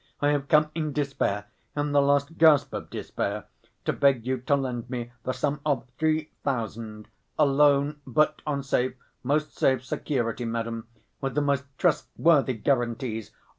"I have come in despair ... in the last gasp of despair, to beg you to lend me the sum of three thousand, a loan, but on safe, most safe security, madam, with the most trustworthy guarantees!